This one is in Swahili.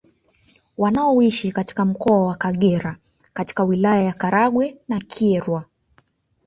Wanaoishi katika mkoa wa Kagera katika wilaya ya Karagwe na Kyerwa